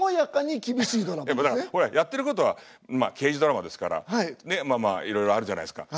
やってることは刑事ドラマですからまあまあいろいろあるじゃないですか。